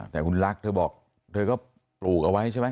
แต่คุณลักษณ์เธอบอกเธอก็ปลูกเอาไว้ใช่ไหม